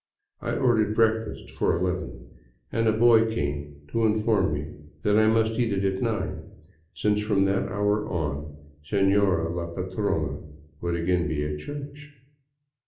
I ordered " breakfast " for eleven, and a boy came to in form me that I must eat it at nine, since from that hour on sefiora la patrona would again be at church.